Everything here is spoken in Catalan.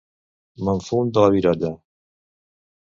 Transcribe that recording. Me'n fum de la virolla!